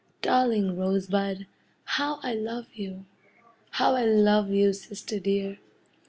Darling Rosebud, How I love you, How I love you, sister dear!